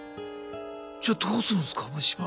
じゃあどうするんすか虫歯。